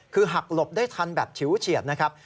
คือหักหลบได้ทันแบบฉิวเฉียดนะครับ